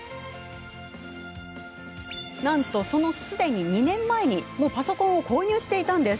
なんと、すでに２年前にパソコンを購入していたのです。